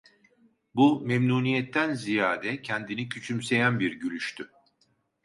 Bu, memnuniyetten ziyade kendini küçümseyen bir gülüştü.